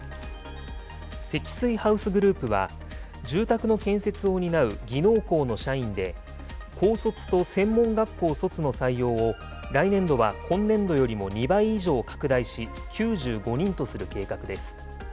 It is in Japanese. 積水ハウスグループは、住宅の建設を担う技能工の社員で、高卒と専門学校卒の採用を、来年度は今年度よりも２倍以上拡大し、９５人とする計画です。